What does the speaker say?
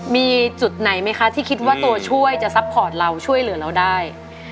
มีจุดไหนไหมคะที่คิดว่าตัวช่วยจะซัพพอร์ตเราช่วยเหลือเราได้